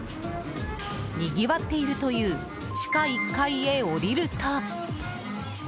にぎわっているという地下１階へ下りると。